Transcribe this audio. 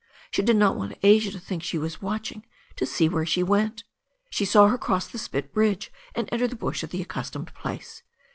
She did not want Asia to think she was watching to see where she went. She saw her cross the spit bridge and enter the bush at the accustomed place.